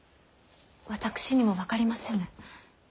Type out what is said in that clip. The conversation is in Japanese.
私にも分かりませぬ。